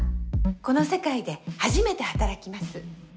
この世界で初めて働きます。